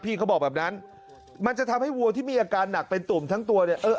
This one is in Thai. เขาบอกแบบนั้นมันจะทำให้วัวที่มีอาการหนักเป็นตุ่มทั้งตัวเนี่ยเออ